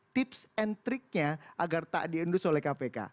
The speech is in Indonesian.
tips and triknya agar tak diendus oleh kpk